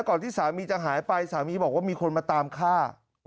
ที่สามีจะหายไปสามีบอกว่ามีคนมาตามฆ่า